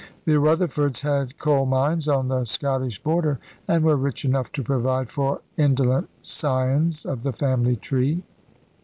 The Rutherfords had coal mines on the Scottish border, and were rich enough to provide for indolent scions of the family tree.